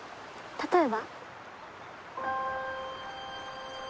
例えば？